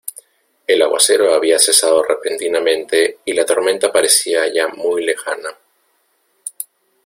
el aguacero había cesado repentinamente y la tormenta parecía ya muy lejana.